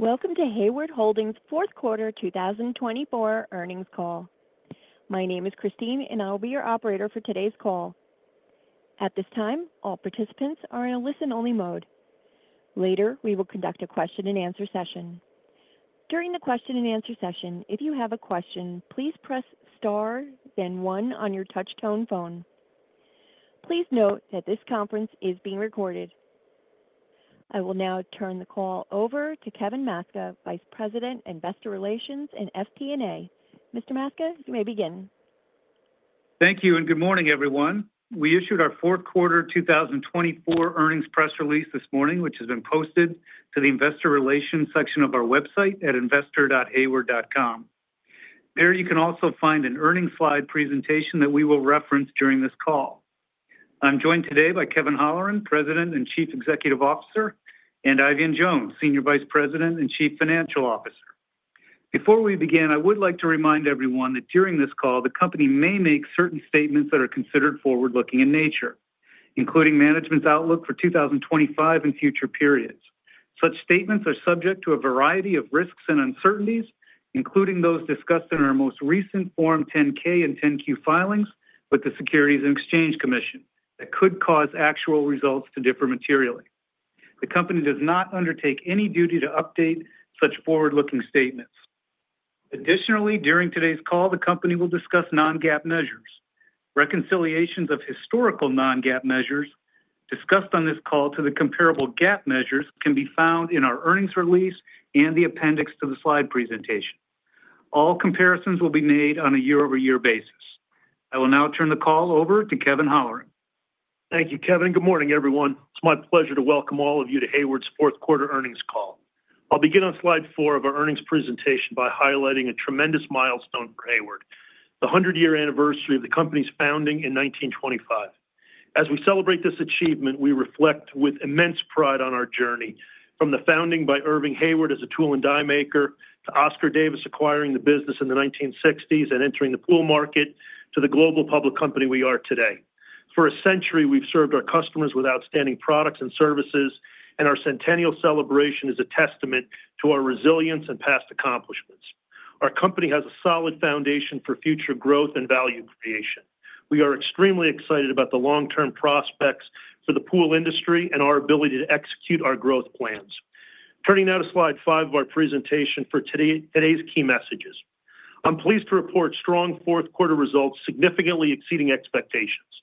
Welcome to Hayward Holdings' Fourth Quarter 2024 Earnings Call. My name is Christine, and I will be your operator for today's call. At this time, all participants are in a listen-only mode. Later, we will conduct a question-and-answer session. During the question-and-answer session, if you have a question, please press star, then one on your touch-tone phone. Please note that this conference is being recorded. I will now turn the call over to Kevin Maczka, Vice President of Investor Relations and FP&A. Mr. Maczka, you may begin. Thank you, and good morning, everyone. We issued our Fourth Quarter 2024 Earnings press release this morning, which has been posted to the Investor Relations section of our website at investor.hayward.com. There you can also find an earnings slide presentation that we will reference during this call. I'm joined today by Kevin Holleran, President and Chief Executive Officer, and Jones, Senior Vice President and Chief Financial Officer. Before we begin, I would like to remind everyone that during this call, the company may make certain statements that are considered forward-looking in nature, including management's outlook for 2025 and future periods. Such statements are subject to a variety of risks and uncertainties, including those discussed in our most recent Form 10-K and 10-Q filings with the Securities and Exchange Commission that could cause actual results to differ materially. The company does not undertake any duty to update such forward-looking statements. Additionally, during today's call, the company will discuss non-GAAP measures. Reconciliations of historical non-GAAP measures discussed on this call to the comparable GAAP measures can be found in our earnings release and the appendix to the slide presentation. All comparisons will be made on a year-over-year basis. I will now turn the call over to Kevin Holleran. Thank you, Kevin. Good morning, everyone. It's my pleasure to welcome all of you to Hayward's fourth quarter earnings call. I'll begin on slide four of our earnings presentation by highlighting a tremendous milestone for Hayward: the 100-year Anniversary of the Company's Founding in 1925. As we celebrate this achievement, we reflect with immense pride on our journey from the founding by Irving Hayward as a tool and die maker to Oscar Davis acquiring the business in the 1960s and entering the pool market to the global public company we are today. For a century, we've served our customers with outstanding products and services, and our centennial celebration is a testament to our resilience and past accomplishments. Our company has a solid foundation for future growth and value creation. We are extremely excited about the long-term prospects for the pool industry and our ability to execute our growth plans. Turning now to slide five of our presentation for today's key messages, I'm pleased to report strong fourth quarter results significantly exceeding expectations.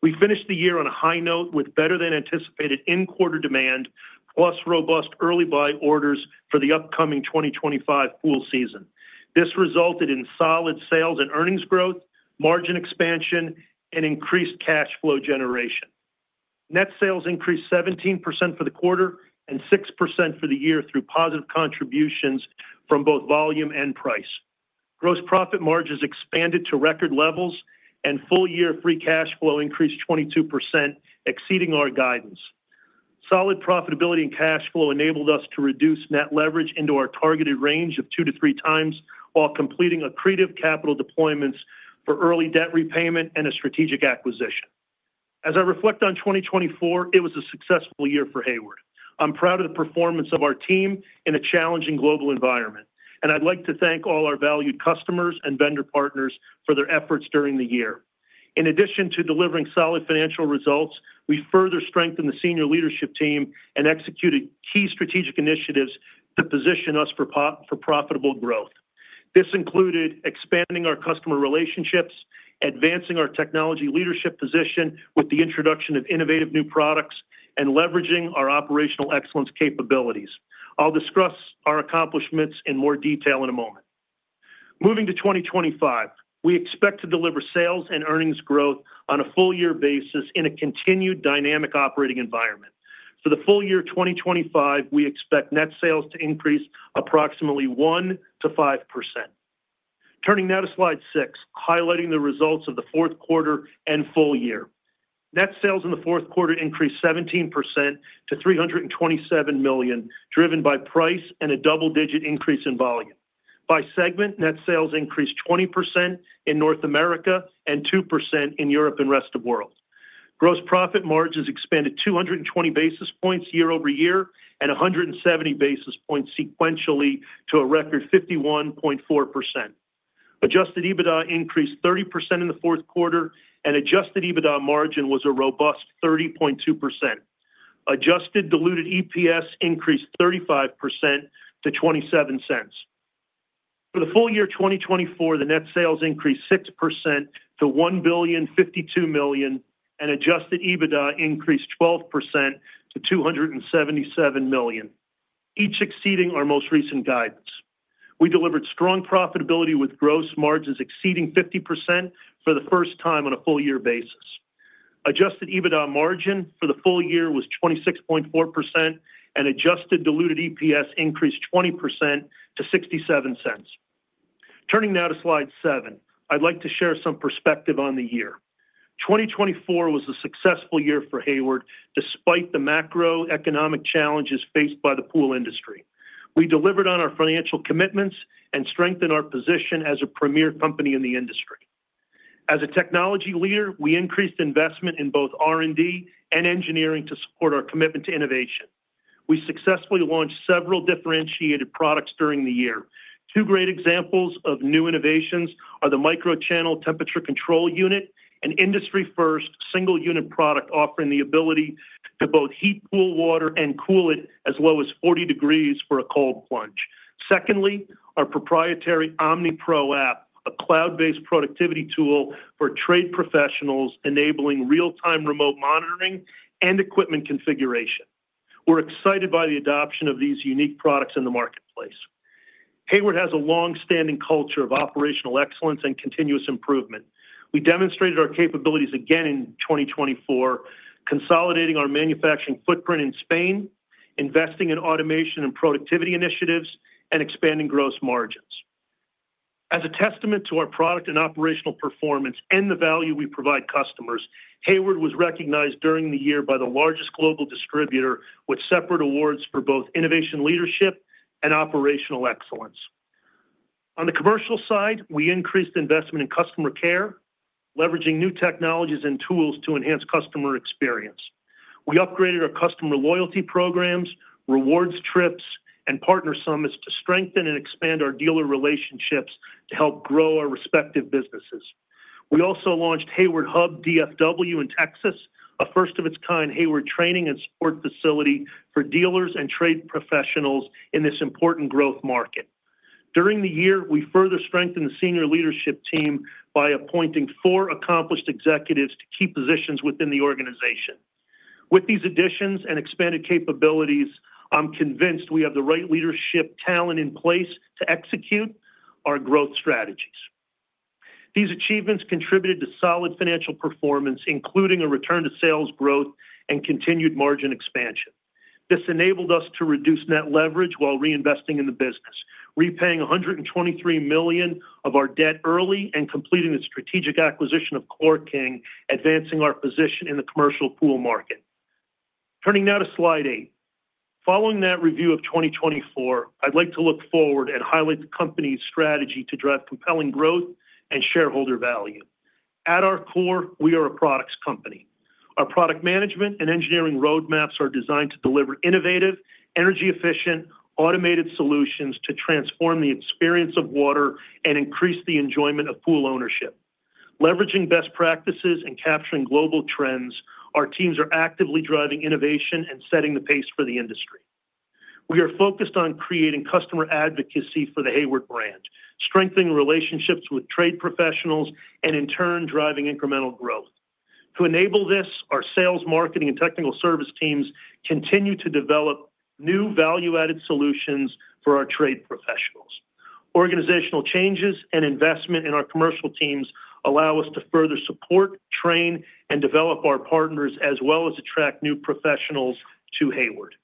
We finished the year on a high note with better-than-anticipated in-quarter demand, plus robust early buy orders for the upcoming 2025 pool season. This resulted in solid sales and earnings growth, margin expansion, and increased cash flow generation. Net sales increased 17% for the quarter and 6% for the year through positive contributions from both volume and price. Gross profit margins expanded to record levels, and full-year free cash flow increased 22%, exceeding our guidance. Solid profitability and cash flow enabled us to reduce net leverage into our targeted range of two to three times while completing accretive capital deployments for early debt repayment and a strategic acquisition. As I reflect on 2024, it was a successful year for Hayward. I'm proud of the performance of our team in a challenging global environment, and I'd like to thank all our valued customers and vendor partners for their efforts during the year. In addition to delivering solid financial results, we further strengthened the senior leadership team and executed key strategic initiatives to position us for profitable growth. This included expanding our customer relationships, advancing our technology leadership position with the introduction of innovative new products, and leveraging our operational excellence capabilities. I'll discuss our accomplishments in more detail in a moment. Moving to 2025, we expect to deliver sales and earnings growth on a full-year basis in a continued dynamic operating environment. For the full year 2025, we expect net sales to increase approximately 1%-5%. Turning now to slide six, highlighting the results of the fourth quarter and full year. Net sales in the fourth quarter increased 17% to $327 million, driven by price and a double-digit increase in volume. By segment, net sales increased 20% in North America and 2% in Europe and the rest of the world. Gross profit margins expanded 220 basis points year-over-year and 170 basis points sequentially to a record 51.4%. Adjusted EBITDA increased 30% in the fourth quarter, and Adjusted EBITDA margin was a robust 30.2%. Adjusted diluted EPS increased 35% to $0.27. For the full year 2024, the net sales increased 6% to $1.052 billion, and Adjusted EBITDA increased 12% to $277 million, each exceeding our most recent guidance. We delivered strong profitability with gross margins exceeding 50% for the first time on a full-year basis. Adjusted EBITDA margin for the full year was 26.4%, and adjusted diluted EPS increased 20% to $0.67. Turning now to slide seven, I'd like to share some perspective on the year. 2024 was a successful year for Hayward despite the macroeconomic challenges faced by the pool industry. We delivered on our financial commitments and strengthened our position as a premier company in the industry. As a technology leader, we increased investment in both R&D and engineering to support our commitment to innovation. We successfully launched several differentiated products during the year. Two great examples of new innovations are the microchannel temperature control unit, an industry-first single-unit product offering the ability to both heat pool water and cool it as low as 40 degrees for a cold plunge. Secondly, our proprietary Omni ProApp, a cloud-based productivity tool for trade professionals, enabling real-time remote monitoring and equipment configuration. We're excited by the adoption of these unique products in the marketplace. Hayward has a long-standing culture of operational excellence and continuous improvement. We demonstrated our capabilities again in 2024, consolidating our manufacturing footprint in Spain, investing in automation and productivity initiatives, and expanding gross margins. As a testament to our product and operational performance and the value we provide customers, Hayward was recognized during the year by the largest global distributor with separate awards for both innovation leadership and operational excellence. On the commercial side, we increased investment in customer care, leveraging new technologies and tools to enhance customer experience. We upgraded our customer loyalty programs, rewards trips, and partner summits to strengthen and expand our dealer relationships to help grow our respective businesses. We also launched Hayward Hub DFW in Texas, a first-of-its-kind Hayward training and support facility for dealers and trade professionals in this important growth market. During the year, we further strengthened the senior leadership team by appointing four accomplished executives to key positions within the organization. With these additions and expanded capabilities, I'm convinced we have the right leadership talent in place to execute our growth strategies. These achievements contributed to solid financial performance, including a return to sales growth and continued margin expansion. This enabled us to reduce net leverage while reinvesting in the business, repaying $123 million of our debt early and completing the strategic acquisition of ChlorKing, advancing our position in the commercial pool market. Turning now to slide eight. Following that review of 2024, I'd like to look forward and highlight the company's strategy to drive compelling growth and shareholder value. At our core, we are a products company. Our product management and engineering roadmaps are designed to deliver innovative, energy-efficient, automated solutions to transform the experience of water and increase the enjoyment of pool ownership. Leveraging best practices and capturing global trends, our teams are actively driving innovation and setting the pace for the industry. We are focused on creating customer advocacy for the Hayward brand, strengthening relationships with trade professionals, and in turn, driving incremental growth. To enable this, our sales, marketing, and technical service teams continue to develop new value-added solutions for our trade professionals. Organizational changes and investment in our commercial teams allow us to further support, train, and develop our partners, as well as attract new professionals to Hayward.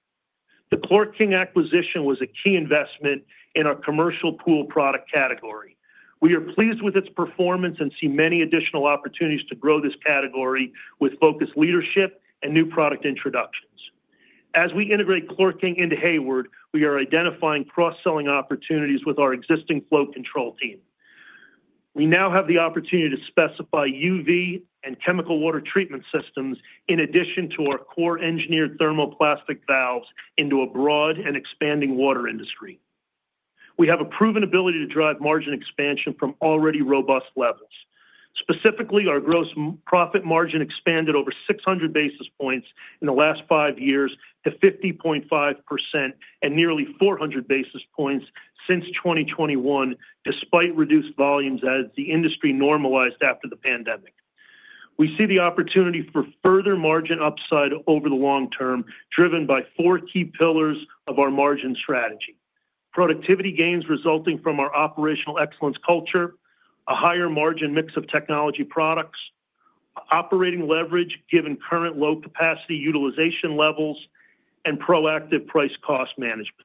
The ChlorKing acquisition was a key investment in our commercial pool product category. We are pleased with its performance and see many additional opportunities to grow this category with focused leadership and new product introductions. As we integrate ChlorKing into Hayward, we are identifying cross-selling opportunities with our existing flow control team. We now have the opportunity to specify UV and chemical water treatment systems in addition to our core engineered thermoplastic valves into a broad and expanding water industry. We have a proven ability to drive margin expansion from already robust levels. Specifically, our gross profit margin expanded over 600 basis points in the last five years to 50.5% and nearly 400 basis points since 2021, despite reduced volumes as the industry normalized after the pandemic. We see the opportunity for further margin upside over the long term, driven by four key pillars of our margin strategy: productivity gains resulting from our operational excellence culture, a higher margin mix of technology products, operating leverage given current low capacity utilization levels, and proactive price-cost management.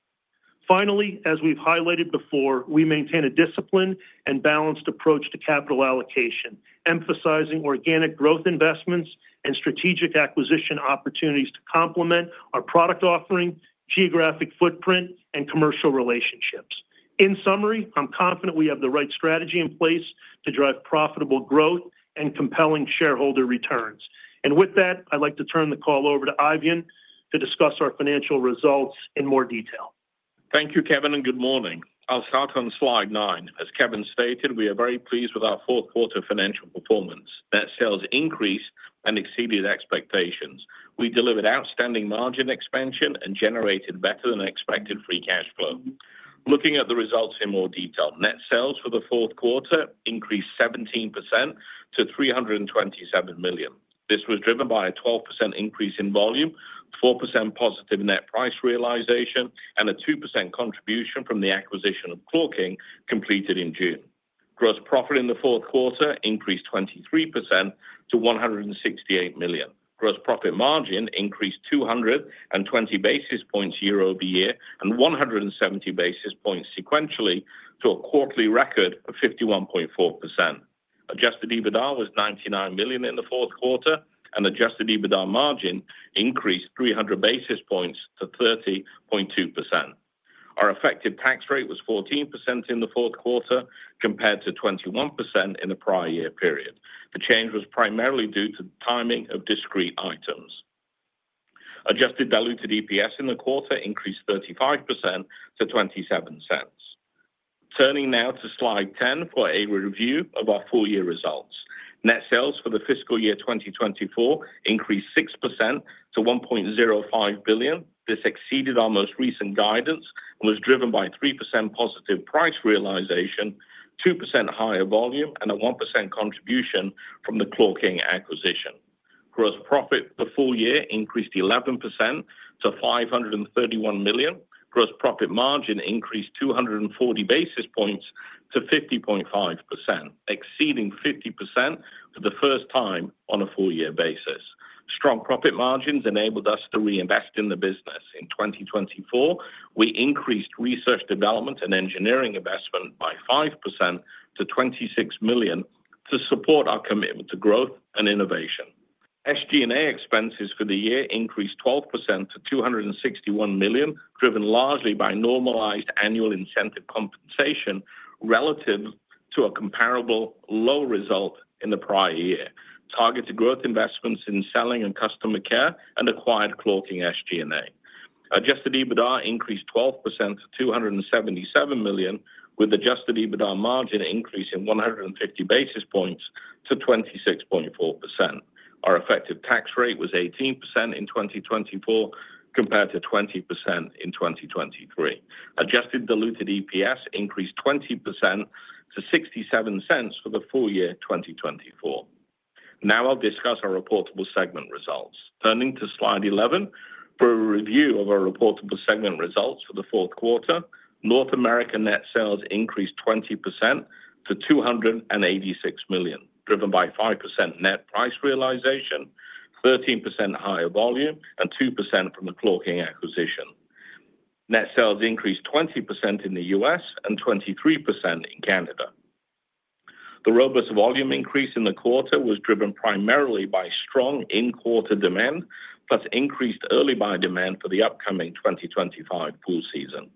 Finally, as we've highlighted before, we maintain a disciplined and balanced approach to capital allocation, emphasizing organic growth investments and strategic acquisition opportunities to complement our product offering, geographic footprint, and commercial relationships. In summary, I'm confident we have the right strategy in place to drive profitable growth and compelling shareholder returns. And with that, I'd like to turn the call over to Eifion to discuss our financial results in more detail. Thank you, Kevin, and good morning. I'll start on slide nine. As Kevin stated, we are very pleased with our fourth quarter financial performance. Net sales increased and exceeded expectations. We delivered outstanding margin expansion and generated better-than-expected free cash flow. Looking at the results in more detail, net sales for the fourth quarter increased 17% to $327 million. This was driven by a 12% increase in volume, 4% positive net price realization, and a 2% contribution from the acquisition of ChlorKing completed in June. Gross profit in the fourth quarter increased 23% to $168 million. Gross profit margin increased 220 basis points year-over-year and 170 basis points sequentially to a quarterly record of 51.4%. Adjusted EBITDA was $99 million in the fourth quarter, and Adjusted EBITDA margin increased 300 basis points to 30.2%. Our effective tax rate was 14% in the fourth quarter compared to 21% in the prior year period. The change was primarily due to timing of discrete items. Adjusted diluted EPS in the quarter increased 35% to $0.27. Turning now to slide 10 for a review of our full year results. Net sales for the fiscal year 2024 increased 6% to $1.05 billion. This exceeded our most recent guidance and was driven by 3% positive price realization, 2% higher volume, and a 1% contribution from the ChlorKing acquisition. Gross profit the full year increased 11% to $531 million. Gross profit margin increased 240 basis points to 50.5%, exceeding 50% for the first time on a full-year basis. Strong profit margins enabled us to reinvest in the business. In 2024, we increased research development and engineering investment by 5% to $26 million to support our commitment to growth and innovation. SG&A expenses for the year increased 12% to $261 million, driven largely by normalized annual incentive compensation relative to a comparable low result in the prior year. Targeted growth investments in selling and customer care and acquired ChlorKing SG&A. Adjusted EBITDA increased 12% to $277 million, with Adjusted EBITDA margin increasing 150 basis points to 26.4%. Our effective tax rate was 18% in 2024 compared to 20% in 2023. Adjusted diluted EPS increased 20% to $0.67 for the full year 2024. Now I'll discuss our reportable segment results. Turning to slide 11 for a review of our reportable segment results for the fourth quarter, North America net sales increased 20% to $286 million, driven by 5% net price realization, 13% higher volume, and 2% from the ChlorKing acquisition. Net sales increased 20% in the U.S. and 23% in Canada. The robust volume increase in the quarter was driven primarily by strong in-quarter demand, plus increased early buy demand for the upcoming 2025 pool season.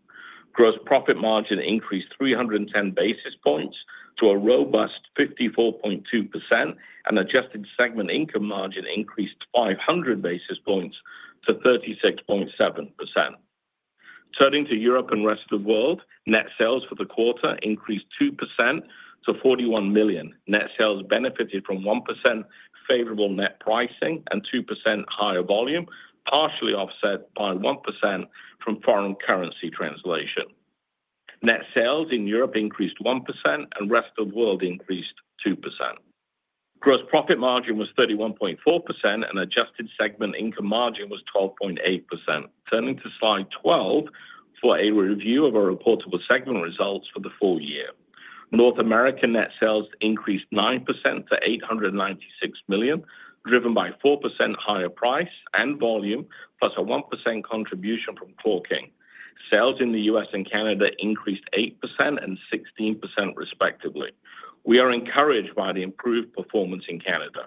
Gross profit margin increased 310 basis points to a robust 54.2%, and adjusted segment income margin increased 500 basis points to 36.7%. Turning to Europe and the rest of the world, net sales for the quarter increased 2% to $41 million. Net sales benefited from 1% favorable net pricing and 2% higher volume, partially offset by 1% from foreign currency translation. Net sales in Europe increased 1%, and the rest of the world increased 2%. Gross profit margin was 31.4%, and adjusted segment income margin was 12.8%. Turning to slide 12 for a review of our reportable segment results for the full year. North America net sales increased 9% to $896 million, driven by 4% higher price and volume, plus a 1% contribution from ChlorKing. Sales in the U.S. and Canada increased 8% and 16%, respectively. We are encouraged by the improved performance in Canada.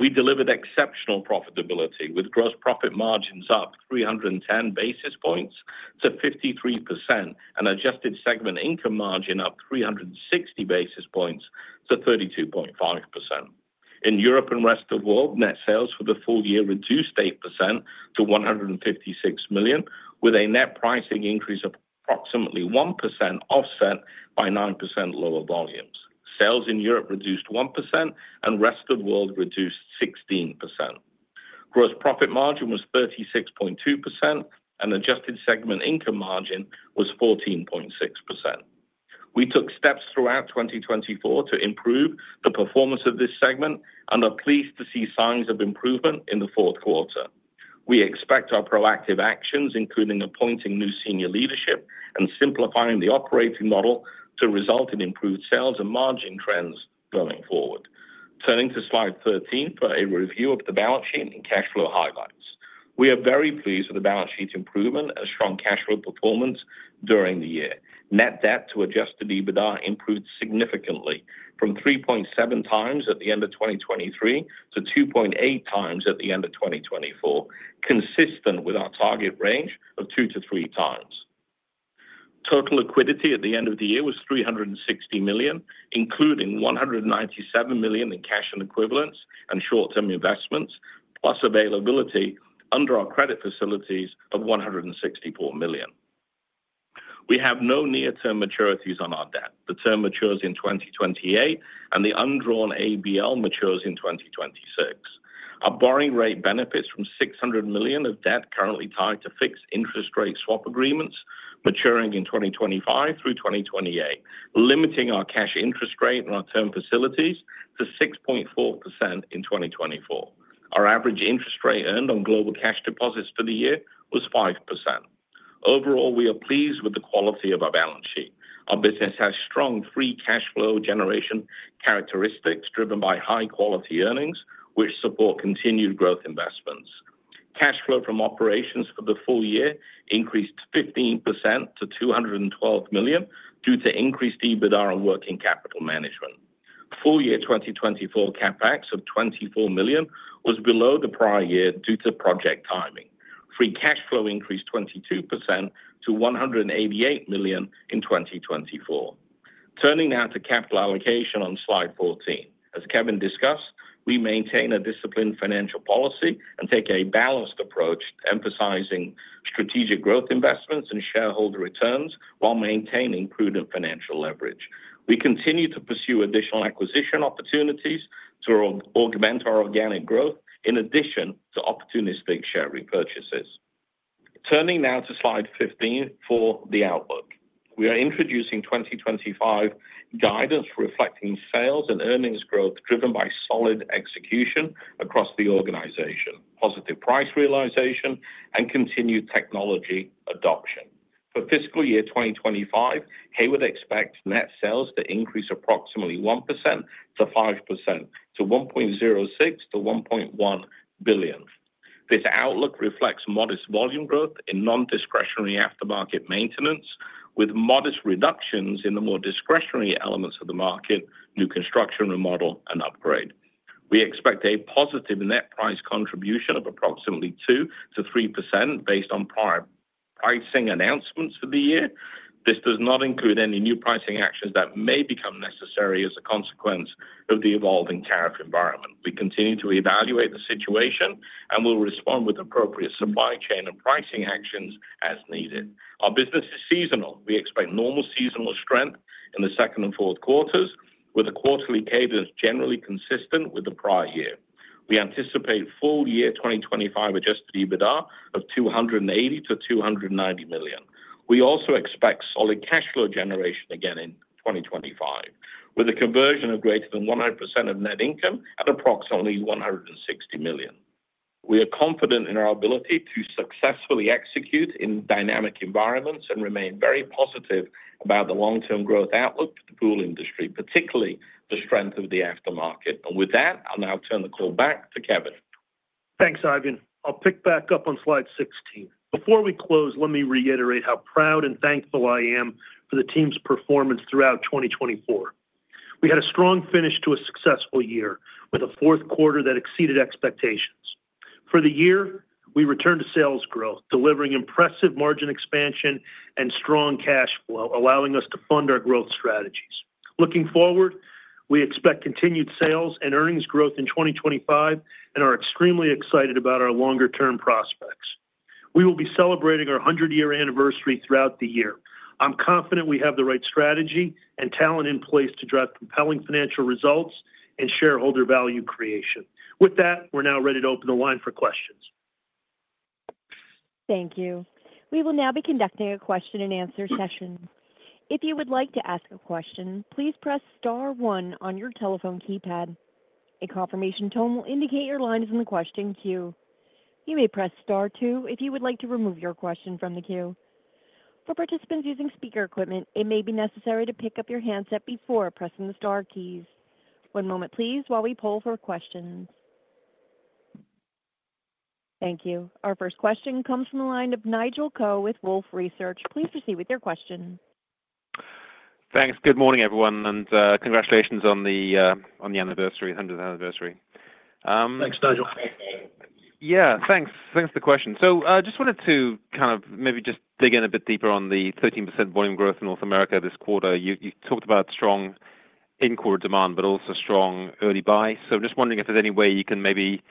We delivered exceptional profitability, with gross profit margins up 310 basis points to 53% and adjusted segment income margin up 360 basis points to 32.5%. In Europe and the rest of the world, net sales for the full year reduced 8% to $156 million, with a net pricing increase of approximately 1% offset by 9% lower volumes. Sales in Europe reduced 1%, and the rest of the world reduced 16%. Gross profit margin was 36.2%, and adjusted segment income margin was 14.6%. We took steps throughout 2024 to improve the performance of this segment, and are pleased to see signs of improvement in the fourth quarter. We expect our proactive actions, including appointing new senior leadership and simplifying the operating model, to result in improved sales and margin trends going forward. Turning to slide 13 for a review of the balance sheet and cash flow highlights. We are very pleased with the balance sheet improvement and strong cash flow performance during the year. Net debt to Adjusted EBITDA improved significantly, from 3.7 times at the end of 2023 to 2.8 times at the end of 2024, consistent with our target range of 2-3 times. Total liquidity at the end of the year was $360 million, including $197 million in cash and equivalents and short-term investments, plus availability under our credit facilities of $164 million. We have no near-term maturities on our debt. The term matures in 2028, and the undrawn ABL matures in 2026. Our borrowing rate benefits from $600 million of debt currently tied to fixed interest rate swap agreements, maturing in 2025 through 2028, limiting our cash interest rate and our term facilities to 6.4% in 2024. Our average interest rate earned on global cash deposits for the year was 5%. Overall, we are pleased with the quality of our balance sheet. Our business has strong free cash flow generation characteristics driven by high-quality earnings, which support continued growth investments. Cash flow from operations for the full year increased 15% to $212 million due to increased EBITDA on working capital management. Full year 2024 CapEx of $24 million was below the prior year due to project timing. Free cash flow increased 22% to $188 million in 2024. Turning now to capital allocation on slide 14. As Kevin discussed, we maintain a disciplined financial policy and take a balanced approach emphasizing strategic growth investments and shareholder returns while maintaining prudent financial leverage. We continue to pursue additional acquisition opportunities to augment our organic growth, in addition to opportunistic share repurchases. Turning now to slide 15 for the outlook. We are introducing 2025 guidance reflecting sales and earnings growth driven by solid execution across the organization, positive price realization, and continued technology adoption. For fiscal year 2025, Hayward expects net sales to increase approximately 1%-5%, to $1.06 billion-$1.1 billion. This outlook reflects modest volume growth in non-discretionary aftermarket maintenance, with modest reductions in the more discretionary elements of the market: new construction, remodel, and upgrade. We expect a positive net price contribution of approximately 2%-3% based on prior pricing announcements for the year. This does not include any new pricing actions that may become necessary as a consequence of the evolving tariff environment. We continue to evaluate the situation and will respond with appropriate supply chain and pricing actions as needed. Our business is seasonal. We expect normal seasonal strength in the second and fourth quarters, with a quarterly cadence generally consistent with the prior year. We anticipate full year 2025 Adjusted EBITDA of $280-$290 million. We also expect solid cash flow generation again in 2025, with a conversion of greater than 100% of net income at approximately $160 million. We are confident in our ability to successfully execute in dynamic environments and remain very positive about the long-term growth outlook for the pool industry, particularly the strength of the aftermarket, and with that, I'll now turn the call back to Kevin. Thanks, Eifion. I'll pick back up on slide 16. Before we close, let me reiterate how proud and thankful I am for the team's performance throughout 2024. We had a strong finish to a successful year, with a fourth quarter that exceeded expectations. For the year, we returned to sales growth, delivering impressive margin expansion and strong cash flow, allowing us to fund our growth strategies. Looking forward, we expect continued sales and earnings growth in 2025 and are extremely excited about our longer-term prospects. We will be celebrating our 100-year Anniversary throughout the year. I'm confident we have the right strategy and talent in place to drive compelling financial results and shareholder value creation. With that, we're now ready to open the line for questions. Thank you. We will now be conducting a question-and-answer session. If you would like to ask a question, please press star one on your telephone keypad. A confirmation tone will indicate your line is in the question queue. You may press star two if you would like to remove your question from the queue. For participants using speaker equipment, it may be necessary to pick up your handset before pressing the star keys. One moment, please, while we poll for questions. Thank you. Our first question comes from the line of Nigel Coe with Wolfe Research. Please proceed with your question. Thanks. Good morning, everyone, and congratulations on the anniversary, 100th Anniversary. Thanks, Nigel. Yeah, thanks. Thanks for the question. So I just wanted to kind of maybe just dig in a bit deeper on the 13% volume growth in North America this quarter. You talked about strong in-quarter demand, but also strong early buy. So I'm just wondering if there's any way you can maybe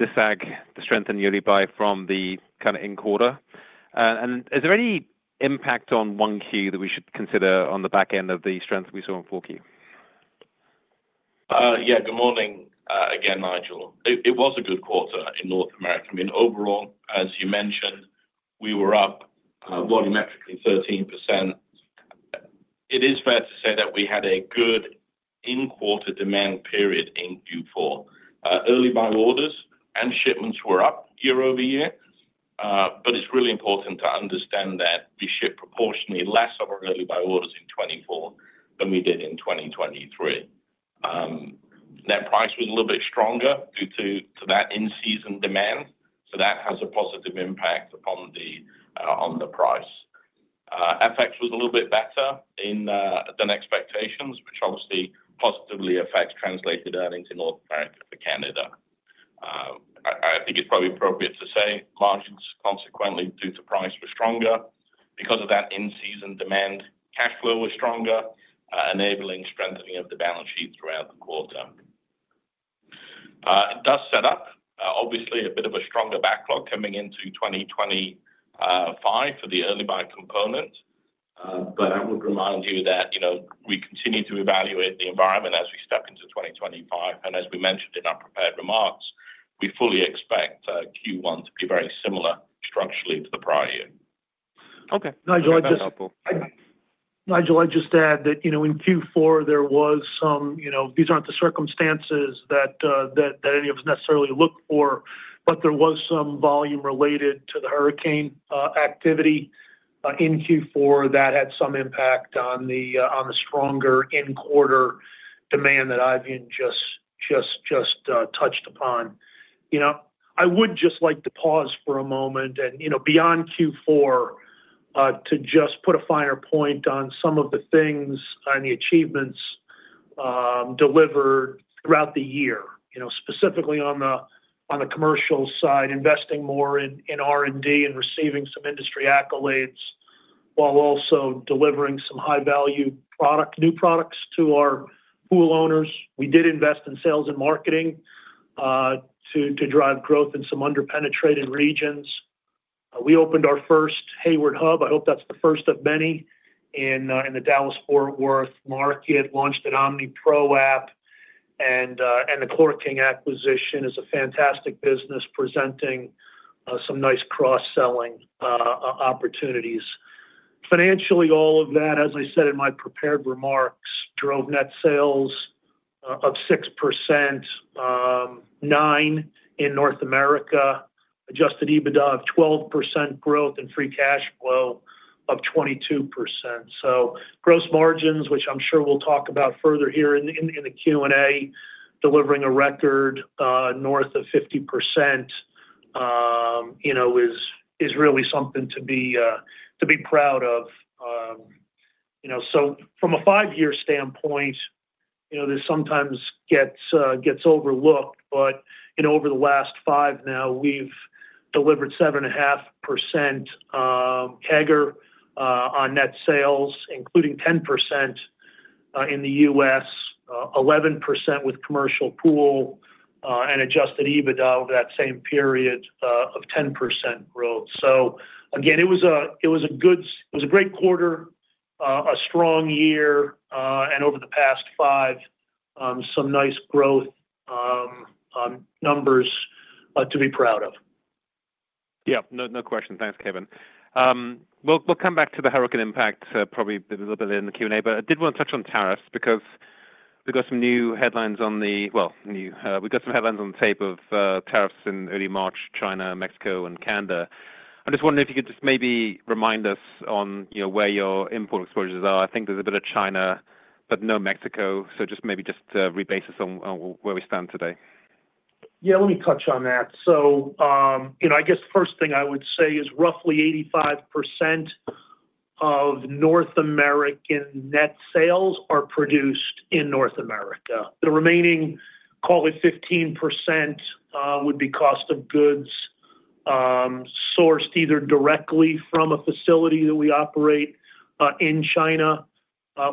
disaggregate the early buy from the kind of in-quarter. And is there any impact on 1Q that we should consider on the back end of the strength we saw in 4Q? Yeah, good morning again, Nigel. It was a good quarter in North America. I mean, overall, as you mentioned, we were up volumetrically 13%. It is fair to say that we had a good in-quarter demand period in Q4. Early buy orders and shipments were up year-over-year, but it's really important to understand that we shipped proportionately less of our early buy orders in 2024 than we did in 2023. Net price was a little bit stronger due to that in-season demand, so that has a positive impact upon the price. FX was a little bit better than expectations, which obviously positively affects translated earnings in North America for Canada. I think it's probably appropriate to say margins, consequently, due to price were stronger. Because of that in-season demand, cash flow was stronger, enabling strengthening of the balance sheet throughout the quarter. It does set up, obviously, a bit of a stronger backlog coming into 2025 for the early buy component, but I would remind you that we continue to evaluate the environment as we step into 2025. And as we mentioned in our prepared remarks, we fully expect Q1 to be very similar structurally to the prior year. Okay. Nigel, I just add that in Q4, there was some. These aren't the circumstances that any of us necessarily look for, but there was some volume related to the hurricane activity in Q4 that had some impact on the stronger in-quarter demand that just touched upon. I would just like to pause for a moment and beyond Q4 to just put a finer point on some of the things and the achievements delivered throughout the year, specifically on the commercial side, investing more in R&D and receiving some industry accolades, while also delivering some high-value new products to our pool owners. We did invest in sales and marketing to drive growth in some under-penetrated regions. We opened our first Hayward Hub. I hope that's the first of many in the Dallas-Fort Worth market, launched an Omni ProApp, and the ChlorKing acquisition is a fantastic business presenting some nice cross-selling opportunities. Financially, all of that, as I said in my prepared remarks, drove net sales of 6%, 9% in North America, Adjusted EBITDA of 12% growth, and free cash flow of 22%. So gross margins, which I'm sure we'll talk about further here in the Q&A, delivering a record north of 50% is really something to be proud of. So from a five-year standpoint, this sometimes gets overlooked, but over the last five now, we've delivered 7.5% CAGR on net sales, including 10% in the US, 11% with commercial pool, and Adjusted EBITDA over that same period of 10% growth. So again, it was a great quarter, a strong year, and over the past five, some nice growth numbers to be proud of. Yeah, no question. Thanks, Kevin. We'll come back to the hurricane impact probably a little bit later in the Q&A, but I did want to touch on tariffs because we got some new headlines on the, well, new. We got some headlines on the tape of tariffs in early March, China, Mexico, and Canada. I'm just wondering if you could just maybe remind us on where your import exposures are. I think there's a bit of China, but no Mexico, so just maybe rebase us on where we stand today. Yeah, let me touch on that. So I guess the first thing I would say is roughly 85% of North American net sales are produced in North America. The remaining call it 15% would be cost of goods sourced either directly from a facility that we operate in China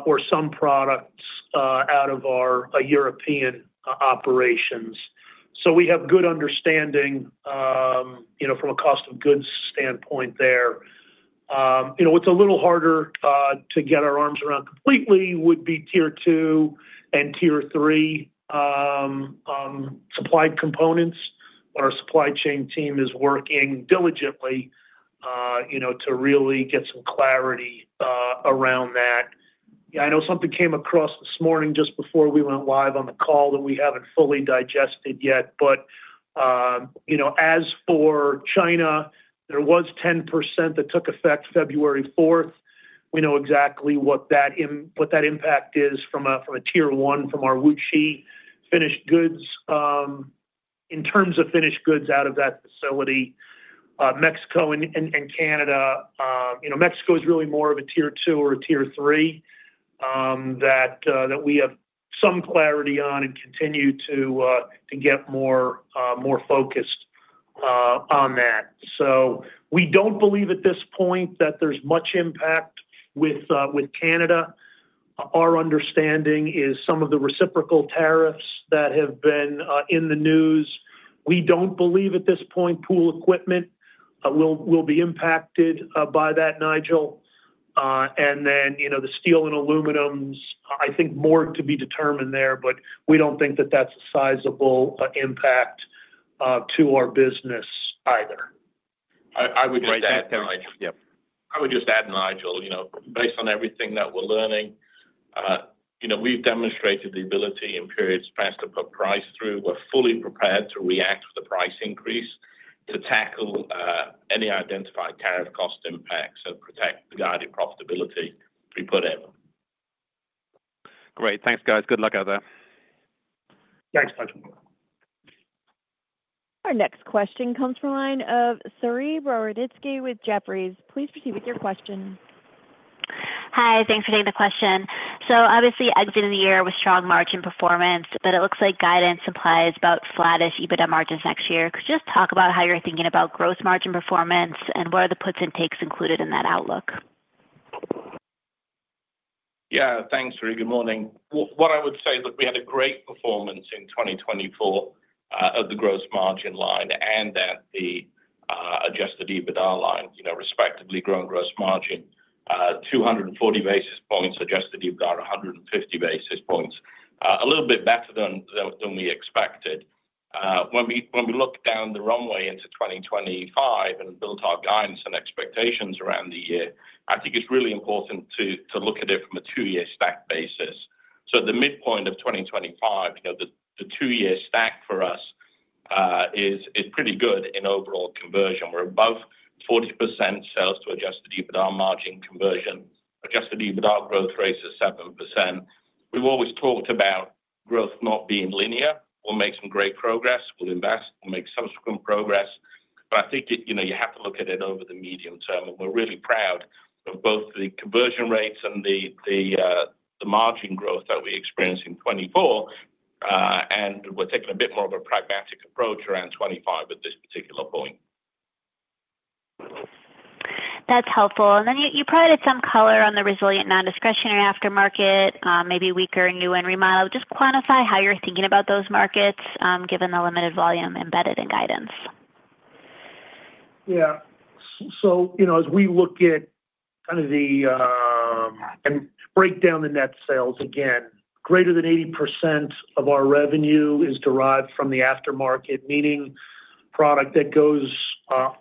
or some products out of our European operations. So we have good understanding from a cost of goods standpoint there. What's a little harder to get our arms around completely would be Tier two and Tier three supplied components on our supply chain team is working diligently to really get some clarity around that. Yeah, I know something came across this morning just before we went live on the call that we haven't fully digested yet, but as for China, there was 10% that took effect February 4th. We know exactly what that impact is from a Tier one from our Wuxi finished goods. In terms of finished goods out of that facility, Mexico and Canada, Mexico is really more of a Tier two or a Tier three that we have some clarity on and continue to get more focused on that, so we don't believe at this point that there's much impact with Canada. Our understanding is some of the reciprocal tariffs that have been in the news, we don't believe at this point pool equipment will be impacted by that, Nigel, and then the steel and aluminum, I think more to be determined there, but we don't think that that's a sizable impact to our business either. I would just add, Nigel, based on everything that we're learning, we've demonstrated the ability in periods past to put price through. We're fully prepared to react to the price increase to tackle any identified tariff cost impacts and protect the guided profitability we put in. Great. Thanks, guys. Good luck out there. Thanks, Nigel. Our next question comes from the line of Saree Boroditsky with Jefferies. Please proceed with your question. Hi, thanks for taking the question. So obviously, exiting the year with strong margin performance, but it looks like guidance implies about flatish EBITDA margins next year. Could you just talk about how you're thinking about gross margin performance and what are the puts and takes included in that outlook? Yeah, thanks, Saree. Good morning. What I would say is that we had a great performance in 2024 of the gross margin line and the Adjusted EBITDA line, respectively growing gross margin 240 basis points, Adjusted EBITDA 150 basis points, a little bit better than we expected. When we look down the runway into 2025 and built our guidance and expectations around the year, I think it's really important to look at it from a two-year stack basis. So at the midpoint of 2025, the two-year stack for us is pretty good in overall conversion. We're above 40% sales to Adjusted EBITDA margin conversion. Adjusted EBITDA growth rate is 7%. We've always talked about growth not being linear. We'll make some great progress. We'll invest. We'll make subsequent progress. But I think you have to look at it over the medium term, and we're really proud of both the conversion rates and the margin growth that we experience in 2024, and we're taking a bit more of a pragmatic approach around 2025 at this particular point. That's helpful, and then you provided some color on the resilient non-discretionary aftermarket, maybe weaker in new and remodeled. Just quantify how you're thinking about those markets given the limited volume embedded in guidance. Yeah. So as we look at kind of and break down the net sales again, greater than 80% of our revenue is derived from the aftermarket, meaning product that goes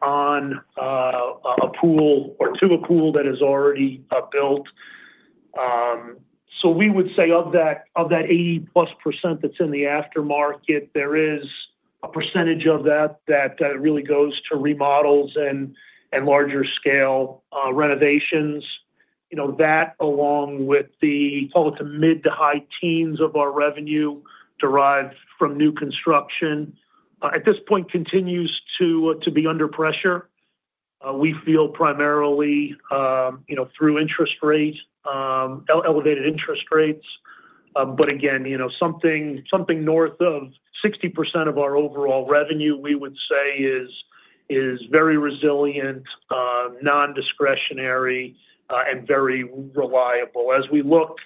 on a pool or to a pool that is already built. So we would say of that 80-plus % that's in the aftermarket, there is a percentage of that that really goes to remodels and larger scale renovations. That, along with the mid to high teens of our revenue derived from new construction, at this point continues to be under pressure. We feel primarily through elevated interest rates. But again, something north of 60% of our overall revenue, we would say, is very resilient, non-discretionary, and very reliable. As we look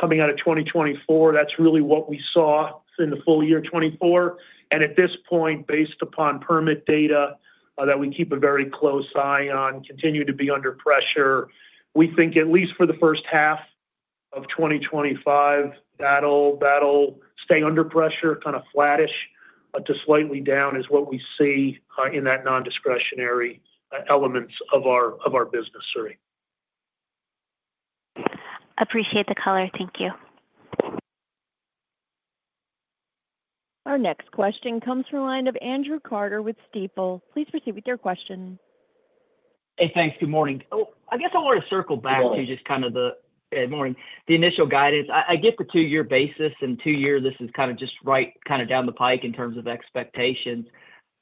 coming out of 2024, that's really what we saw in the full year 2024. At this point, based upon permit data that we keep a very close eye on, continue to be under pressure. We think at least for the first half of 2025, that'll stay under pressure, kind of flattish to slightly down is what we see in that non-discretionary elements of our business, Saree. Appreciate the color. Thank you. Our next question comes from the line of Andrew Carter with Stifel. Please proceed with your question. Hey, thanks. Good morning. I guess I want to circle back to just kind of the - good morning. The initial guidance, I get the two-year basis and two-year, this is kind of just right kind of down the pike in terms of expectations.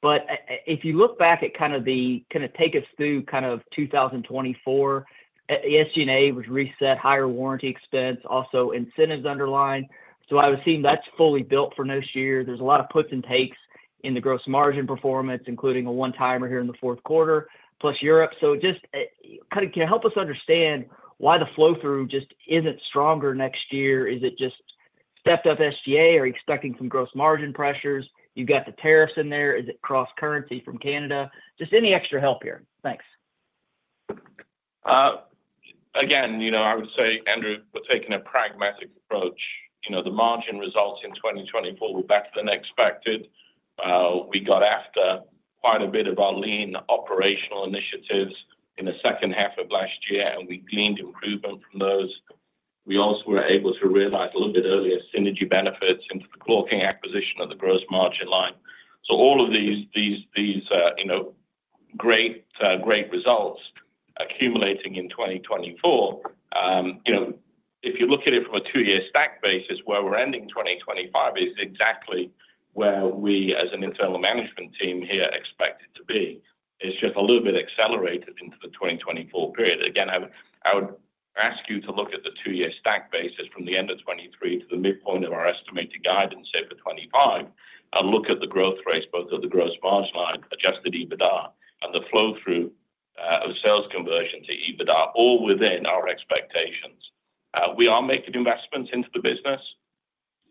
But if you look back at kind of the kind of take us through kind of 2024, the SG&A was reset, higher warranty expense, also incentives underlined. So I would see that's fully built for next year. There's a lot of puts and takes in the gross margin performance, including a one-timer here in the fourth quarter, plus Europe. So just kind of can you help us understand why the flow-through just isn't stronger next year? Is it just stepped up SG&A or expecting some gross margin pressures? You've got the tariffs in there. Is it cross-currency from Canada? Just any extra help here. Thanks. Again, I would say, Andrew, we're taking a pragmatic approach. The margin results in 2024 were better than expected. We got after quite a bit of our lean operational initiatives in the second half of last year, and we gleaned improvement from those. We also were able to realize a little bit earlier synergy benefits into the ChlorKing acquisition of the gross margin line. So all of these great results accumulating in 2024, if you look at it from a two-year stack basis, where we're ending 2025 is exactly where we as an internal management team here expect it to be. It's just a little bit accelerated into the 2024 period. Again, I would ask you to look at the two-year stack basis from the end of 2023 to the midpoint of our estimated guidance for 2025 and look at the growth rates both of the gross margin line, Adjusted EBITDA, and the flow-through of sales conversion to EBITDA, all within our expectations. We are making investments into the business.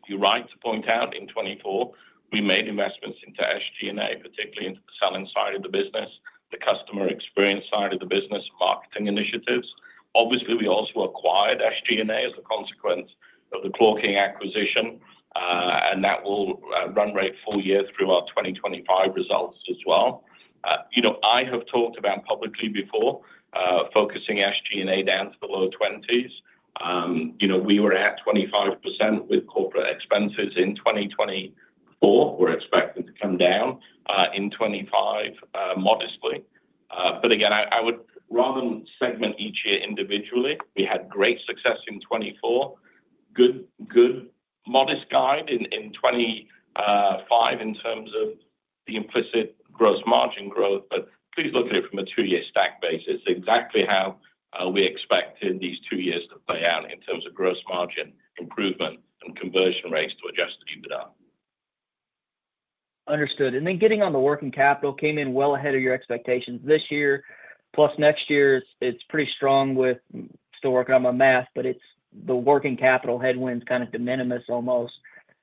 You're right to point out in 2024, we made investments into SG&A, particularly into the selling side of the business, the customer experience side of the business, marketing initiatives. Obviously, we also acquired SG&A as a consequence of the ChlorKing acquisition, and that will run rate full year through our 2025 results as well. I have talked about publicly before, focusing SG&A down to the low 20s. We were at 25% with corporate expenses in 2024. We're expecting to come down in 2025 modestly. But again, I would rather segment each year individually. We had great success in 2024, good modest guide in 2025 in terms of the implicit gross margin growth. But please look at it from a two-year stack basis. It's exactly how we expected these two years to play out in terms of gross margin improvement and conversion rates to Adjusted EBITDA. Understood. And then getting on the working capital came in well ahead of your expectations this year. Plus next year, it's pretty strong with still working on my math, but it's the working capital headwinds kind of de minimis almost.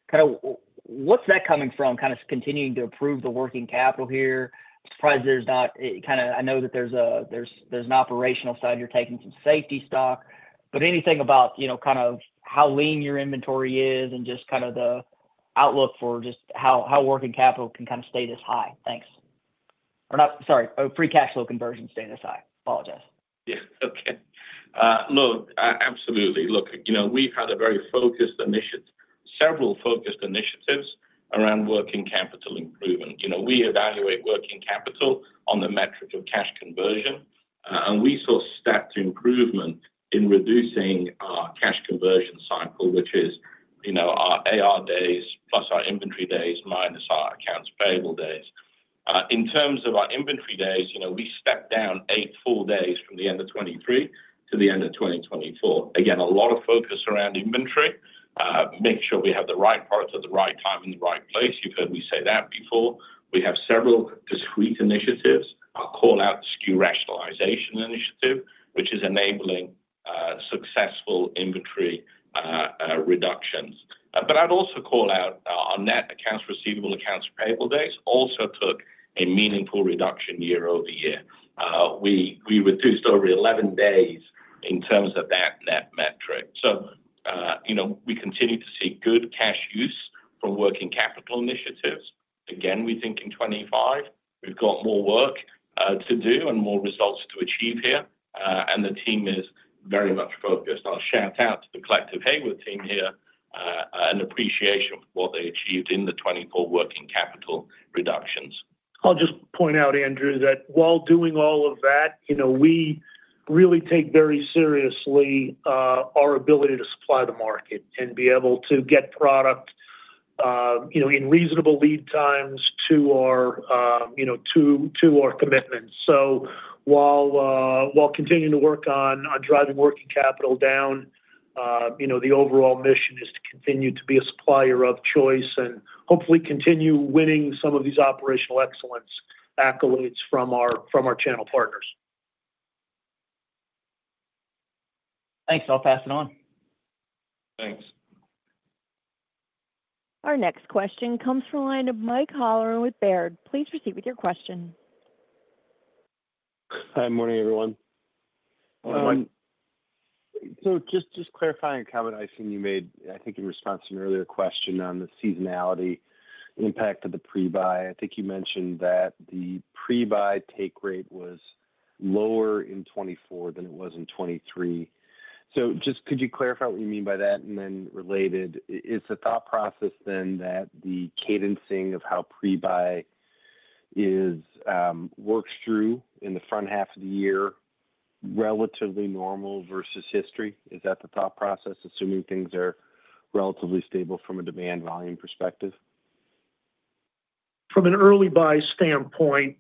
Kind of what's that coming from? Kind of continuing to improve the working capital here? Surprised there's not kind of. I know that there's an operational side. You're taking some safety stock. But anything about kind of how lean your inventory is and just kind of the outlook for just how working capital can kind of stay this high? Thanks. Or sorry, free cash flow conversion staying this high. Apologize. Yeah. Okay. Look, absolutely. Look, we've had a very focused initiative, several focused initiatives around working capital improvement. We evaluate working capital on the metric of cash conversion, and we saw step-change improvement in reducing our cash conversion cycle, which is our AR days plus our inventory days minus our accounts payable days. In terms of our inventory days, we stepped down eight full days from the end of 2023 to the end of 2024. Again, a lot of focus around inventory, make sure we have the right product at the right time in the right place. You've heard me say that before. We have several discrete initiatives. I'll call out the SKU rationalization initiative, which is enabling successful inventory reductions. But I'd also call out our net accounts receivable, accounts payable days also took a meaningful reduction year-over-year. We reduced over 11 days in terms of that net metric. So we continue to see good cash use from working capital initiatives. Again, we think in 2025, we've got more work to do and more results to achieve here. And the team is very much focused. I'll shout out to the collective Hayward team here and appreciation for what they achieved in the 2024 working capital reductions. I'll just point out, Andrew, that while doing all of that, we really take very seriously our ability to supply the market and be able to get product in reasonable lead times to our commitments. So while continuing to work on driving working capital down, the overall mission is to continue to be a supplier of choice and hopefully continue winning some of these operational excellence accolades from our channel partners. Thanks. I'll pass it on. Thanks. Our next question comes from the line of Mike Halloran with Baird. Please proceed with your question. Hi, morning, everyone. Morning. So just clarifying a comment I think you made, I think in response to an earlier question on the seasonality impact of the pre-buy. I think you mentioned that the pre-buy take rate was lower in 2024 than it was in 2023. So just could you clarify what you mean by that? And then related, is the thought process then that the cadencing of how pre-buy works through in the front half of the year relatively normal versus history? Is that the thought process, assuming things are relatively stable from a demand volume perspective? From an early buy standpoint,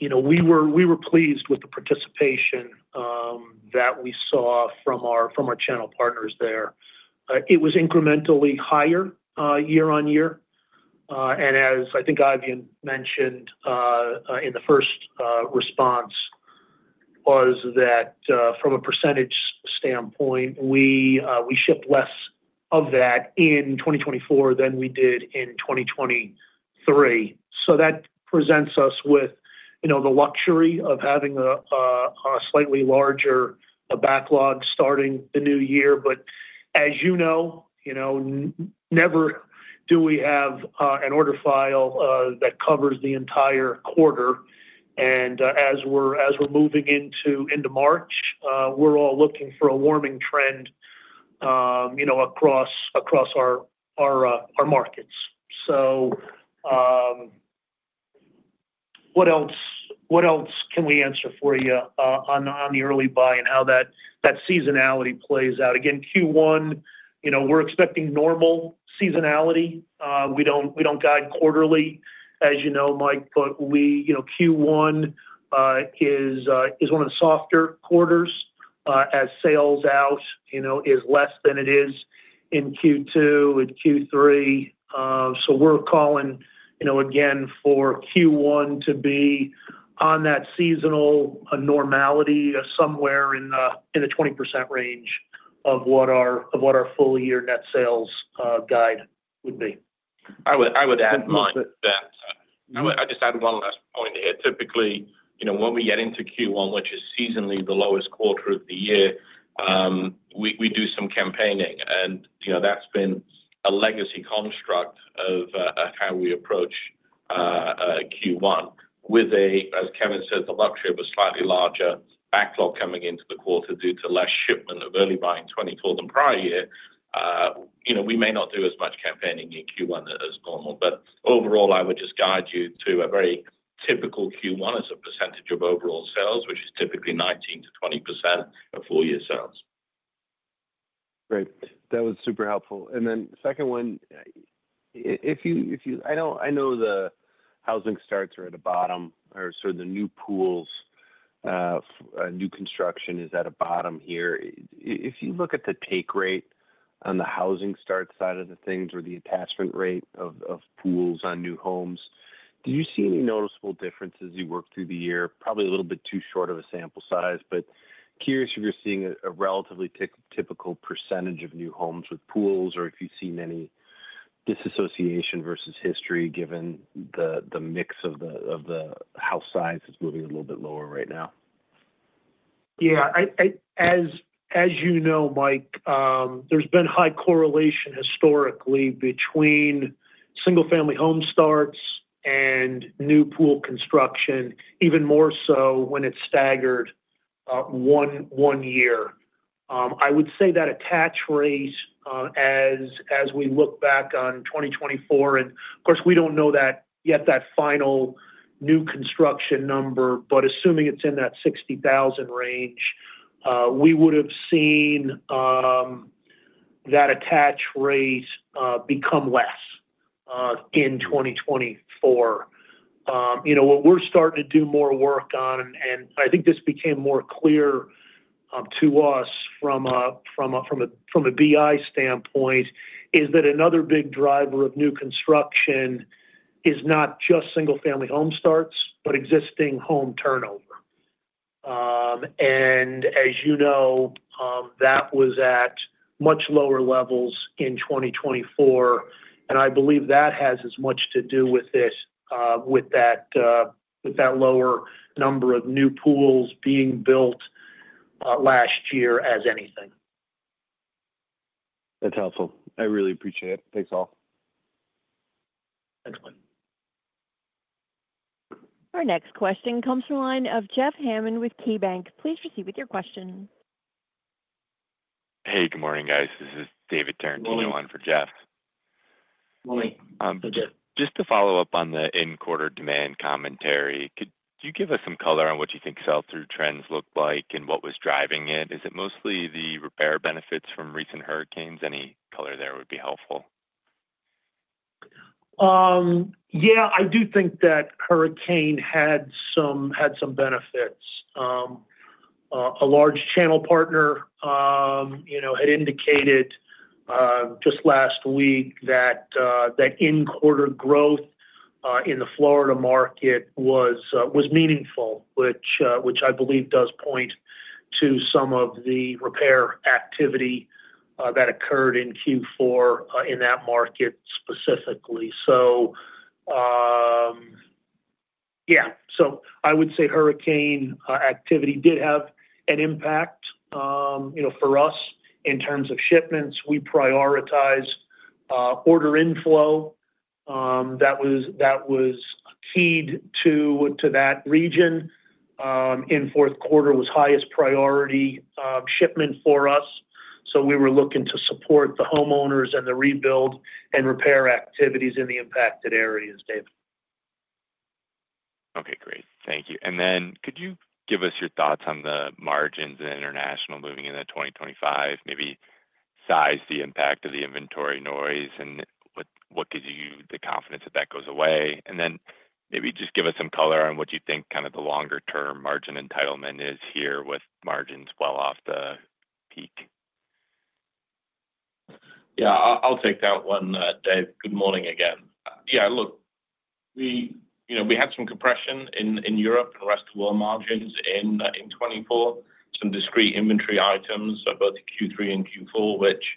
we were pleased with the participation that we saw from our channel partners there. It was incrementally higher year on year. As I think Eifion mentioned in the first response, that from a percentage standpoint, we shipped less of that in 2024 than we did in 2023. That presents us with the luxury of having a slightly larger backlog starting the new year. As you know, never do we have an order file that covers the entire quarter. As we're moving into March, we're all looking for a warming trend across our markets. What else can we answer for you on the early buy and how that seasonality plays out? Again, Q1, we're expecting normal seasonality. We don't guide quarterly, as you know, Mike, but Q1 is one of the softer quarters as sell-out is less than it is in Q2, in Q3. So we're calling again for Q1 to be on that seasonal normality somewhere in the 20% range of what our full-year net sales guide would be. I would add mine. I just add one last point here. Typically, when we get into Q1, which is seasonally the lowest quarter of the year, we do some campaigning, and that's been a legacy construct of how we approach Q1. With, as Kevin said, the luxury of a slightly larger backlog coming into the quarter due to less shipment of early buy in 2024 than prior year, we may not do as much campaigning in Q1 as normal, but overall, I would just guide you to a very typical Q1 as a percentage of overall sales, which is typically 19%-20% of full-year sales. Great. That was super helpful. And then, second one, if you, I know the housing starts are at a bottom or sort of the new pools, new construction is at a bottom here. If you look at the take rate on the housing start side of the things or the attachment rate of pools on new homes, do you see any noticeable differences as you work through the year? Probably a little bit too short of a sample size, but curious if you're seeing a relatively typical percentage of new homes with pools or if you've seen any disassociation versus history given the mix of the house size that's moving a little bit lower right now. Yeah. As you know, Mike, there's been high correlation historically between single-family home starts and new pool construction, even more so when it's staggered one year. I would say that attach rate, as we look back on 2024, and of course, we don't know yet that final new construction number, but assuming it's in that 60,000 range, we would have seen that attach rate become less in 2024. What we're starting to do more work on, and I think this became more clear to us from a BI standpoint, is that another big driver of new construction is not just single-family home starts, but existing home turnover. And as you know, that was at much lower levels in 2024. And I believe that has as much to do with that lower number of new pools being built last year as anything. That's helpful. I really appreciate it. Thanks all. Excellent. Our next question comes from the line of Jeff Hammond with KeyBanc. Please proceed with your question. Hey, good morning, guys. This is David Tarantino on for Jeff. Morning. Just to follow up on the in-quarter demand commentary, could you give us some color on what you think sell-through trends look like and what was driving it? Is it mostly the repair benefits from recent hurricanes? Any color there would be helpful. Yeah. I do think that hurricane had some benefits. A large channel partner had indicated just last week that in-quarter growth in the Florida market was meaningful, which I believe does point to some of the repair activity that occurred in Q4 in that market specifically. So yeah. So I would say hurricane activity did have an impact for us in terms of shipments. We prioritized order inflow. That was keyed to that region. In fourth quarter was highest priority shipment for us. So we were looking to support the homeowners and the rebuild and repair activities in the impacted areas, David. Okay. Great. Thank you. And then could you give us your thoughts on the margins and international moving into 2025, maybe size the impact of the inventory noise and what gives you the confidence that that goes away? And then maybe just give us some color on what you think kind of the longer-term margin entitlement is here with margins well off the peak. Yeah. I'll take that one, Dave. Good morning again. Yeah. Look, we had some compression in Europe and Rest of World margins in 2024, some discrete inventory items both in Q3 and Q4, which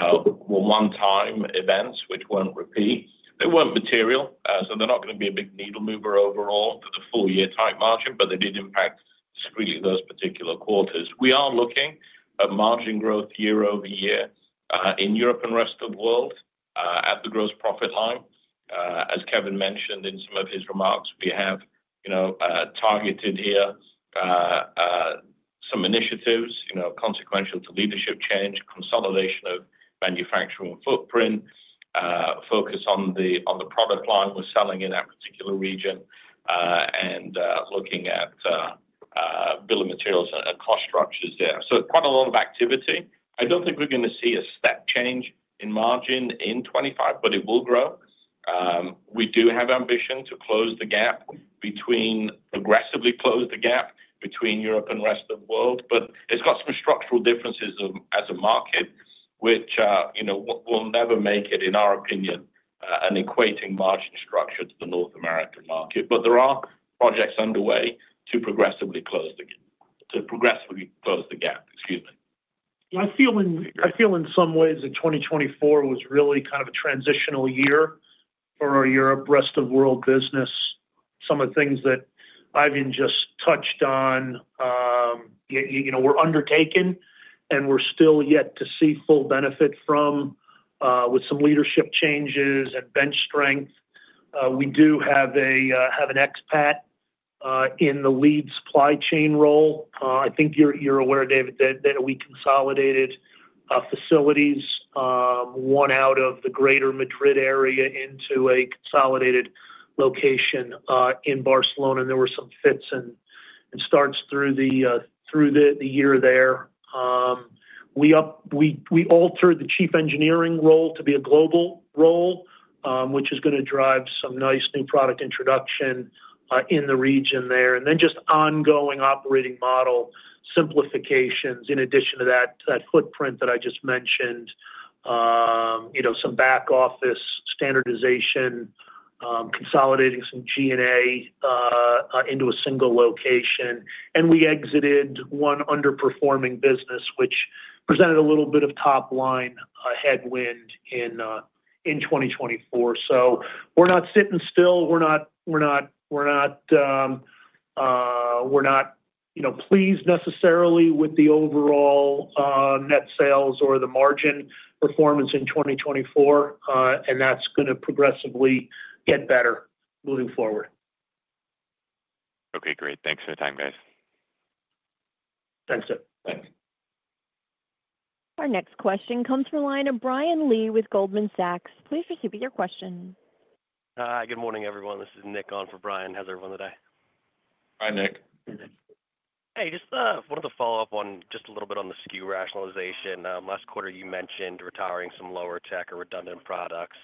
were one-time events which weren't repeat. They weren't material. So they're not going to be a big needle mover overall for the full-year type margin, but they did impact discretely those particular quarters. We are looking at margin growth year-over-year in Europe and rest of the world at the gross profit line. As Kevin mentioned in some of his remarks, we have targeted here some initiatives consequential to leadership change, consolidation of manufacturing footprint, focus on the product line we're selling in that particular region, and looking at bill of materials and cost structures there. So quite a lot of activity. I don't think we're going to see a step change in margin in 2025, but it will grow. We do have ambition to close the gap, progressively close the gap between Europe and rest of the world. But it's got some structural differences as a market, which will never make it, in our opinion, an equating margin structure to the North American market. But there are projects underway to progressively close the gap. Excuse me. Yeah. I feel in some ways that 2024 was really kind of a transitional year for our Europe, Rest of World business. Some of the things that Eifion just touched on were undertaken, and we're still yet to see full benefit from with some leadership changes and bench strength. We do have an expat in the lead supply chain role. I think you're aware, David, that we consolidated facilities, one out of the greater Madrid area, into a consolidated location in Barcelona, and there were some fits and starts through the year there. We altered the chief engineering role to be a global role, which is going to drive some nice new product introduction in the region there, and then just ongoing operating model simplifications in addition to that footprint that I just mentioned, some back office standardization, consolidating some G&A into a single location. And we exited one underperforming business, which presented a little bit of top-line headwind in 2024. So we're not sitting still. We're not pleased necessarily with the overall net sales or the margin performance in 2024. And that's going to progressively get better moving forward. Okay. Great. Thanks for your time, guys. Thanks, Dave. Thanks. Our next question comes from the line of Brian Lee with Goldman Sachs. Please proceed with your question. Hi. Good morning, everyone. This is Nick on for Brian. How's everyone today? Hi, Nick. Hey, just wanted to follow up on just a little bit on the SKU rationalization. Last quarter, you mentioned retiring some lower-tech or redundant products.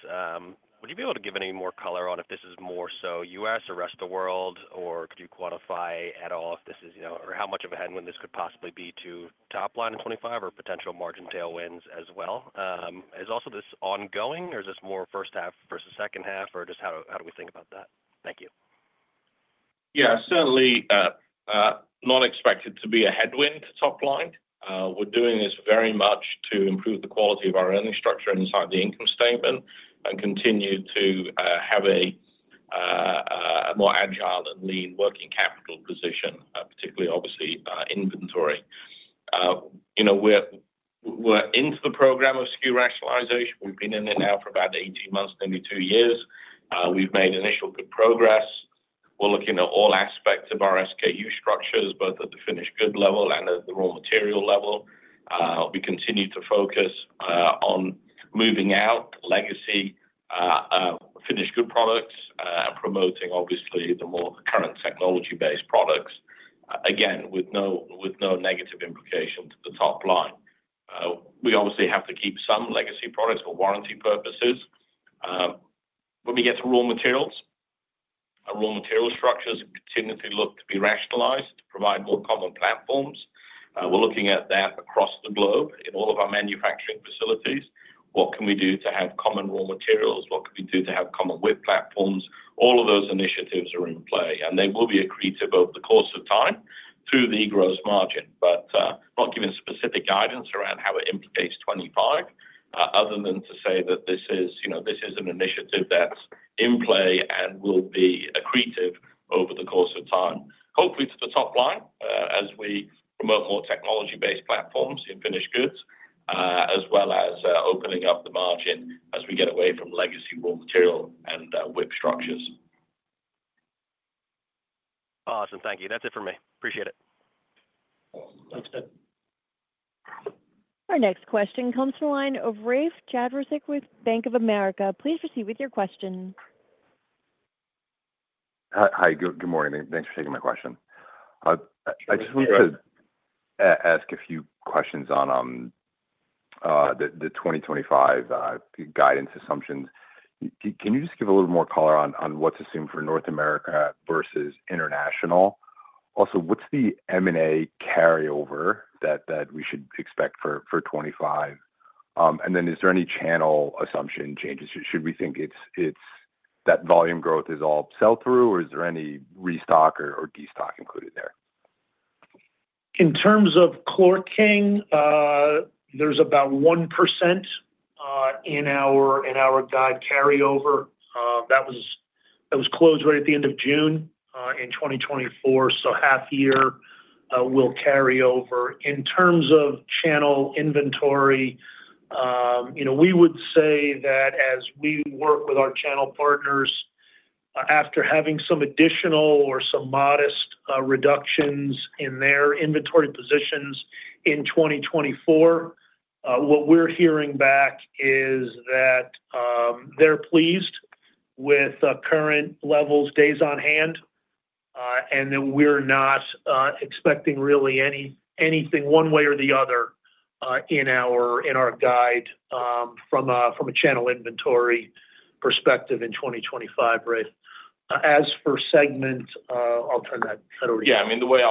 Would you be able to give any more color on if this is more so U.S. or rest of the world, or could you quantify at all if this is or how much of a headwind this could possibly be to top line in 2025 or potential margin tailwinds as well? Is also this ongoing, or is this more first half versus second half, or just how do we think about that? Thank you. Yeah. Certainly not expected to be a headwind to top line. We're doing this very much to improve the quality of our earnings structure inside the income statement and continue to have a more agile and lean working capital position, particularly obviously inventory. We're into the program of SKU rationalization. We've been in it now for about 18 months, nearly two years. We've made initial good progress. We're looking at all aspects of our SKU structures, both at the finished good level and at the raw material level. We continue to focus on moving out legacy finished good products and promoting, obviously, the more current technology-based products, again, with no negative implication to the top line. We obviously have to keep some legacy products for warranty purposes. When we get to raw materials, our raw material structures continue to look to be rationalized to provide more common platforms. We're looking at that across the globe in all of our manufacturing facilities. What can we do to have common raw materials? What can we do to have common width platforms? All of those initiatives are in play. And they will be accretive over the course of time through the gross margin, but not giving specific guidance around how it impacts 2025 other than to say that this is an initiative that's in play and will be accretive over the course of time. Hopefully, to the top line as we promote more technology-based platforms in finished goods, as well as opening up the margin as we get away from legacy raw material and width structures. Awesome. Thank you. That's it for me. Appreciate it. Awesome. Thanks, Dave. Our next question comes from the line of Rafe Jadrosich with Bank of America. Please proceed with your question. Hi. Good morning. Thanks for taking my question. I just wanted to ask a few questions on the 2025 guidance assumptions. Can you just give a little more color on what's assumed for North America versus international? Also, what's the M&A carryover that we should expect for 2025? And then is there any channel assumption changes? Should we think that volume growth is all sell-through, or is there any restock or destock included there? In terms of ChlorKing, there's about 1% in our guide carryover. That was closed right at the end of June in 2024. So half year will carry over. In terms of channel inventory, we would say that as we work with our channel partners, after having some additional or some modest reductions in their inventory positions in 2024, what we're hearing back is that they're pleased with current levels, days on hand, and that we're not expecting really anything one way or the other in our guide from a channel inventory perspective in 2025, Rafe. As for segment, I'll turn that over to you. Yeah. I mean, the way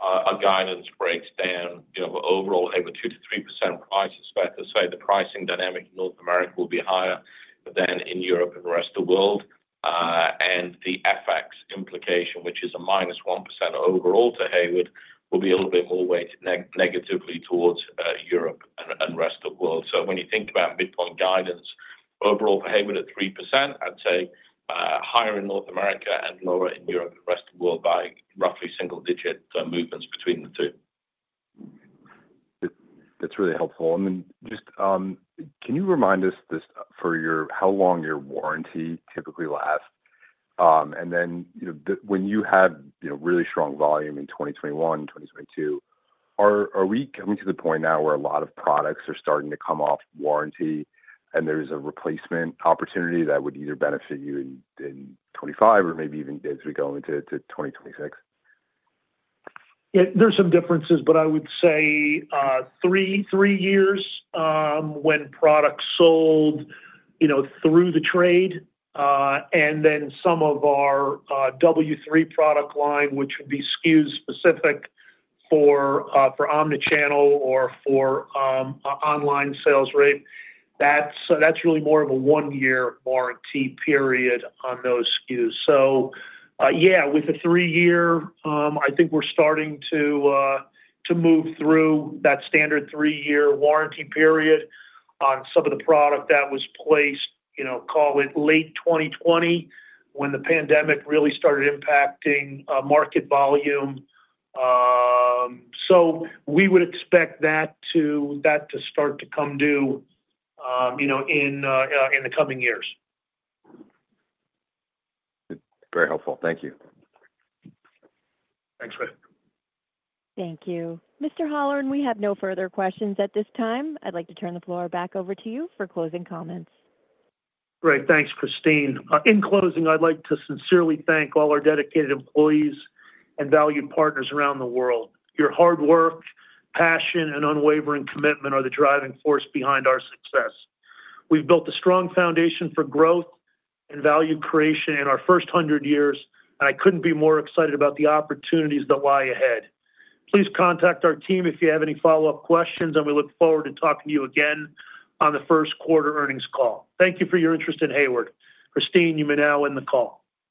our guidance breaks down, the overall, over 2% to 3% price perspective, so the pricing dynamic in North America will be higher than in Europe and rest of the world. And the FX implication, which is a minus 1% overall to Hayward, will be a little bit more weighted negatively towards Europe and rest of the world. So when you think about midpoint guidance, overall behavior at 3%, I'd say higher in North America and lower in Europe and rest of the world by roughly single-digit movements between the two. That's really helpful. And then just can you remind us for how long your warranty typically lasts? And then when you have really strong volume in 2021, 2022, are we coming to the point now where a lot of products are starting to come off warranty and there's a replacement opportunity that would either benefit you in 2025 or maybe even as we go into 2026? Yeah. There's some differences, but I would say three years when products sold through the trade. And then some of our W3 product line, which would be SKUs specific for omnichannel or for online sales, Rafe, that's really more of a one-year warranty period on those SKUs. So yeah, with the three-year, I think we're starting to move through that standard three-year warranty period on some of the product that was placed, call it late 2020, when the pandemic really started impacting market volume. So we would expect that to start to come due in the coming years. Very helpful. Thank you. Thanks, Rafe. Thank you. Mr. Holleran, we have no further questions at this time. I'd like to turn the floor back over to you for closing comments. Great. Thanks, Christine. In closing, I'd like to sincerely thank all our dedicated employees and valued partners around the world. Your hard work, passion, and unwavering commitment are the driving force behind our success. We've built a strong foundation for growth and value creation in our first 100 years, and I couldn't be more excited about the opportunities that lie ahead. Please contact our team if you have any follow-up questions, and we look forward to talking to you again on the first quarter earnings call. Thank you for your interest in Hayward. Christine, you may now end the call.